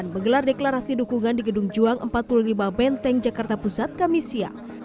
menggelar deklarasi dukungan di gedung juang empat puluh lima benteng jakarta pusat kamisya